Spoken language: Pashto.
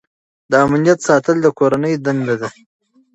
د امنیت ساتل د کورنۍ دنده ده.